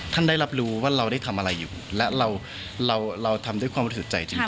ท่านได้รับรู้ว่าเราได้ทำอะไรอยู่และเราเราทำด้วยความบริสุทธิ์ใจจริง